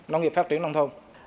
nông nghiệp phát triển nông thôn